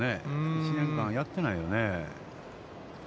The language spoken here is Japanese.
１年間やっていないね。